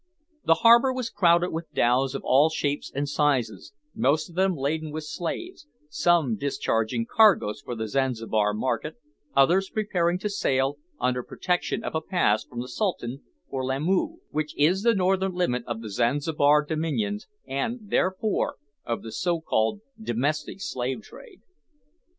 The harbour was crowded with dhows of all shapes and sizes, most of them laden with slaves, some discharging cargoes for the Zanzibar market, others preparing to sail, under protection of a pass from the Sultan, for Lamoo, which is the northern limit of the Zanzibar dominions, and, therefore, of the so called "domestic" slave trade.